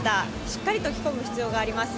しっかりと着込む必要があります。